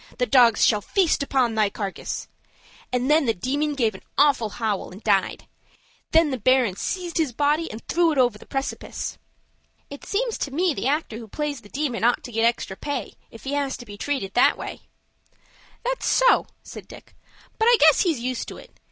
The dogs shall feast upon thy carcass!' and then the Demon give an awful howl and died. Then the Baron seized his body, and threw it over the precipice." "It seems to me the actor who plays the Demon ought to get extra pay, if he has to be treated that way." "That's so," said Dick; "but I guess he's used to it.